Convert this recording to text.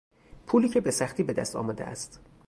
پولی که بسختی به دست آمده است